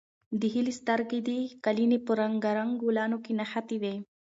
د هیلې سترګې د قالینې په رنګارنګ ګلانو کې نښتې وې.